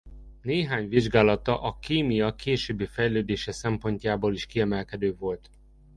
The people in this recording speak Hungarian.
Néhány vizsgálata a kémia későbbi fejlődése szempontjából is kiemelkedő volt.